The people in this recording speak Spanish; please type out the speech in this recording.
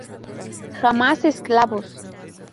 Jamás esclavos.